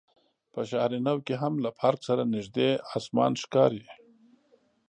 په شهر نو کې هم له پارک سره نژدې اسمان ښکاري.